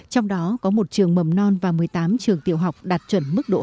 trong đó có một trường mầm non và một mươi tám trường tiểu học đạt chuẩn mức độ hai